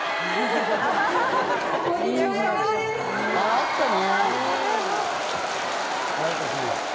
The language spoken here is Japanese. あったね。